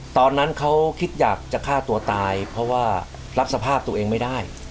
ตอนนั้นเขาคิดอยากจะฆ่าตัวตายเพราะว่ารับสภาพตัวเองไม่ได้